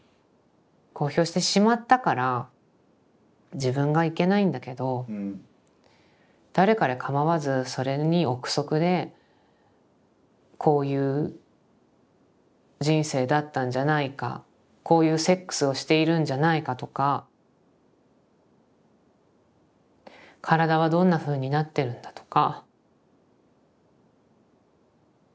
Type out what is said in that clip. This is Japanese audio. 公表してしまったから自分がいけないんだけど誰彼かまわずそれに臆測でこういう人生だったんじゃないかこういうセックスをしているんじゃないかとか体はどんなふうになってるんだとか。